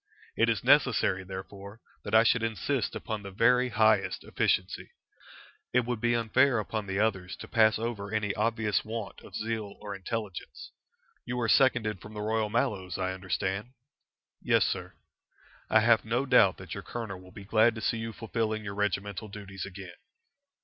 It is necessary, therefore, that I should insist upon the very highest efficiency. It would be unfair upon the others to pass over any obvious want of zeal or intelligence. You are seconded from the Royal Mallows, I understand?" "Yes, sir." "I have no doubt that your colonel will be glad to see you fulfilling your regimental duties again."